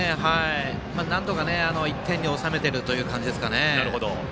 なんとか１点に収めてるという感じですかね。